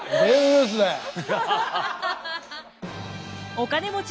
お金持ち